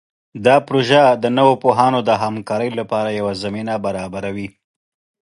دا پروژه د نوو پوهانو د همکارۍ لپاره یوه زمینه برابروي.